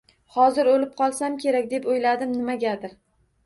Hozir oʻlib qolsam kerak, deb oʻyladim nimagadir.